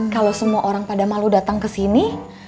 kalau semua orang pada malu datang kesini